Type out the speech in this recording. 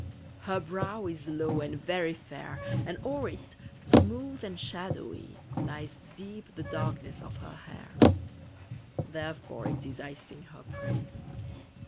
_ Her brow is low and very fair, And o'er it, smooth and shadowy, Lies deep the darkness of her hair: _Therefore it is I sing her praise.